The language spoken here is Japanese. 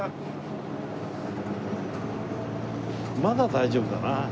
まだ大丈夫だな。